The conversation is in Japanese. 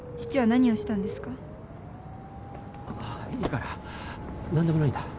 何でもないんだ。